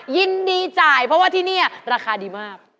ยินดีจ่ายเพราะว่าที่นี่ราคาดีมาก